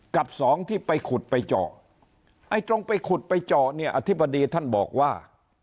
กับสองที่ไปขุดไปเจาะไอ้ตรงไปขุดไปเจาะเนี่ยอธิบดีท่านบอกว่า